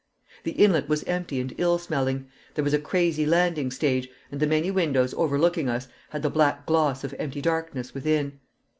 The inlet was empty and ill smelling; there was a crazy landing stage, and the many windows overlooking us had the black gloss of empty darkness within.